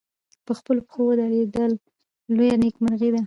په خپلو پښو ودرېدل لویه نېکمرغي ده.